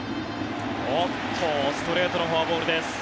ストレートのフォアボールです。